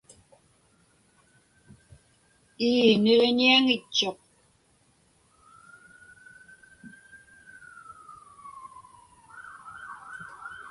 Ii, niġiñiaŋitchuq.